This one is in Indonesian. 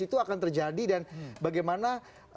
itu akan terjadi dan bagaimana